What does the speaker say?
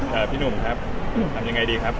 ปรึกษาว่าพี่หนุ่มครับทำยังไงดีครับ